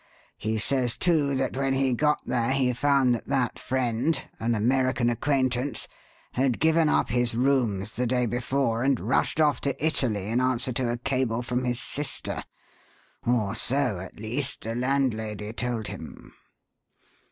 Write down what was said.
He says, too, that when he got there he found that that friend an American acquaintance had given up his rooms the day before, and rushed off to Italy in answer to a cable from his sister; or so, at least, the landlady told him."